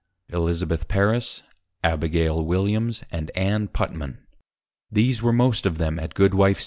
_ Elizabeth Parris, Abigail Williams, and Ann Putman; these were most of them at Goodwife _C.'